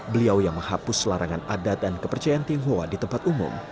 beliau yang menghapus larangan adat dan kepercayaan tionghoa di tempat umum